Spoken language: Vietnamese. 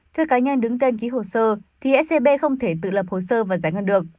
thuê cá nhân đứng tên ký hồ sơ thì scb không thể tự lập hồ sơ và giải ngân được